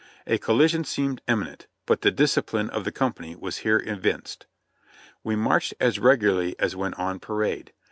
A collision seemed imminent, but the discipline of the company was here evinced. We marched as regularly as when on parade.